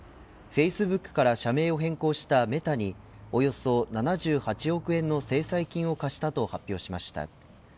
フェイスブックから社名を変更したメタにおよそ７８億円の制裁金を科したと発表しました。